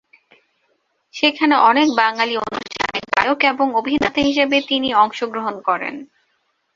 সেখানে অনেক বাঙালি অনুষ্ঠানে গায়ক এবং অভিনেতা হিসেবে তিনি অংশগ্রহণ করেন।